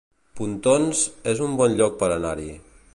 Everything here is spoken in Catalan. Pontons es un bon lloc per anar-hi